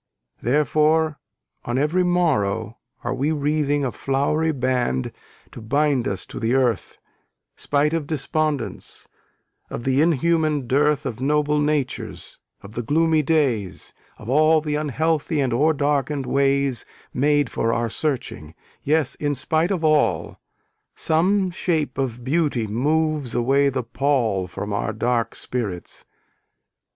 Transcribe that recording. Therefore, on every morrow, are we wreathing A flowery band to bind us to the earth, Spite of despondence, of the inhuman dearth Of noble natures, of the gloomy days, Of all the unhealthy and o'er darken'd ways Made for our searching: yes, in spite of all, Some shape of beauty moves away the pall From our dark spirits.